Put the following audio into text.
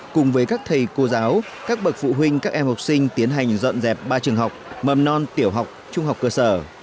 cùng với các thầy cô giáo các bậc phụ huynh các em học sinh tiến hành dọn dẹp ba trường học mầm non tiểu học trung học cơ sở